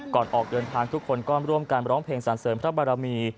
ออกเดินทางทุกคนก็ร่วมกันร้องเพลงสรรเสริมพระบารมี